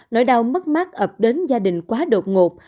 nỗi đau mất mát ập đến gia đình quá đột ngột